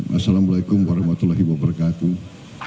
wassalamu alaikum warahmatullahi wabarakatuh